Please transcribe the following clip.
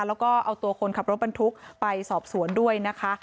แล้วก็เอาตัวคนขับรถบรรทุกไปสอบสวนด้วยนะคะ